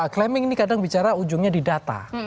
claiming ini kadang bicara ujungnya di data